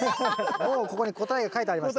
もうここに答えが書いてあります。